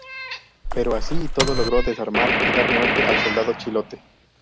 Pero, así y todo, logró desarmar y dar muerte al soldado chilote.